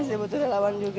masih butuh relawan juga